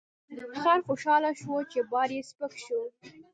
خر خوشحاله شو چې بار یې سپک شو.